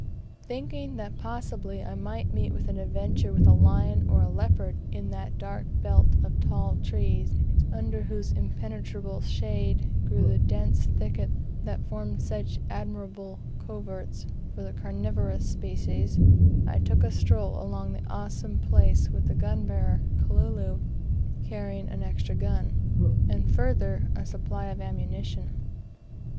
Thinking that possibly I might meet with an adventure with a lion or a leopard in that dark belt of tall trees, under whose impenetrable shade grew the dense thicket that formed such admirable coverts for the carnivorous species, I took a stroll along the awesome place with the gunbearer, Kalulu, carrying an extra gun, and a further supply of ammunition.